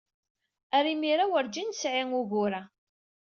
Ar imir-a, werjin nesɛi ugur-a.